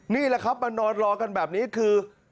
นี่แหละครับมานอนรอกันแบบนี้คือ